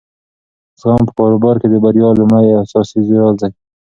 زغم په کاروبار کې د بریا لومړی او اساسي راز دی.